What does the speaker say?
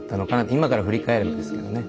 今から振り返ればですけどね。